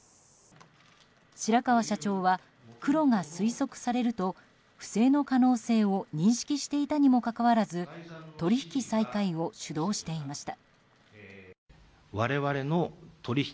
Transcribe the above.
白川社長はクロが推測されると不正の可能性を認識していたにもかかわらず取引再開を主導していました。